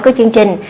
của chương trình